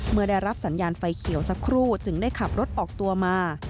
เมื่อได้รับสัญญาณไฟเขียวสักครู่จึงได้ขับรถออกตัวมา